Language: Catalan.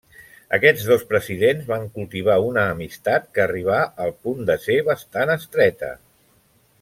Aquests dos presidents van cultivar una amistat que arribà al punt de ser bastant estreta.